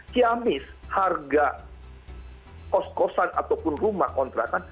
kiamis harga kos kosan ataupun rumah kontrak